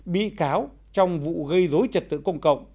bị cáo trong vụ gây dối trật tự công cộng